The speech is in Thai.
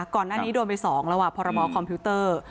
ก่อนอันนี้โดนไปสองแล้วอ่ะพรบคอมพิวเตอร์